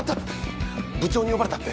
部長に呼ばれたって？